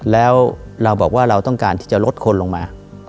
แล้วเราบอกว่าเราต้องการที่จะลดคนลงมา